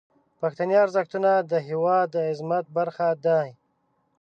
پښتني ارزښتونه د هیواد د عظمت برخه دي.